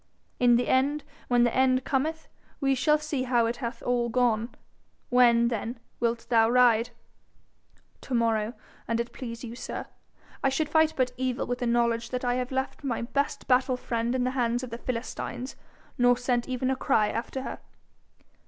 In the end, when the end cometh, we shall see how it hath all gone. When, then, wilt thou ride?' 'To morrow, an' it please you, sir. I should fight but evil with the knowledge that I had left my best battle friend in the hands of the Philistines, nor sent even a cry after her.'